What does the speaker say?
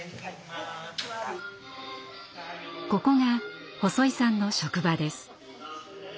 ここが細井さんの職場です。